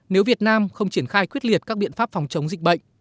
nếu việt nam không triển khai quyết liệt các biện pháp phòng chống dịch bệnh